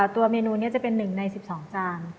ตัวเมนูนี้จะเป็น๑ใน๑๒จาน